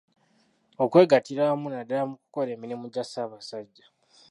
Okwegattira awamu naddala mu kukola emirimu gya Ssabasajja.